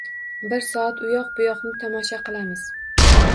Bir soat uyoq-buyoqni tomosha qilamiz.